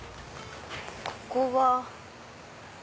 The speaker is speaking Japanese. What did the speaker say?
ここは。